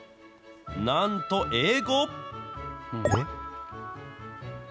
なんと英語。